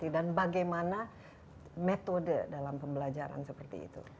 dan bagaimana metode dalam pembelajaran seperti itu